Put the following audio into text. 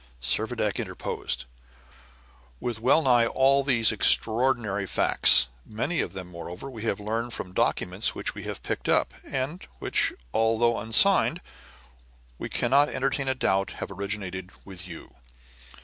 Servadac interposed: "We are already acquainted with well nigh all these extraordinary facts; many of them, moreover, we have learned from documents which we have picked up, and which, although unsigned, we cannot entertain a doubt have originated with you."